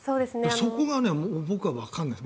そこが僕はわからない。